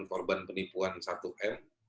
korban penipuan satu m